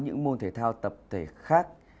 những môn thể thao tập thể khác